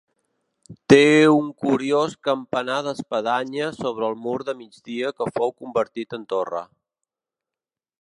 Té un curiós campanar d'espadanya sobre el mur de migdia que fou convertit en torre.